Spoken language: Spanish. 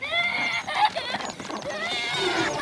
Bar-Lev jugó un rol fundamental en la guerra.